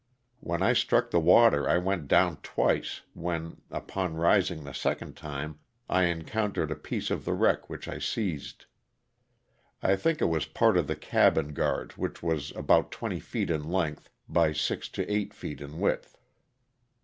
When I struck the water I went down twice, when, upon rising the second time, I encountered a piece of the wreck which I seized. I think it was a part of the cabin guard which was about twenty feet in length by six to eight feet in width.